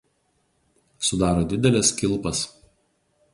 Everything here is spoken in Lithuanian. Sudaro dideles kilpas.